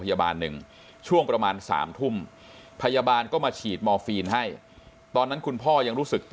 ยังไม่หาย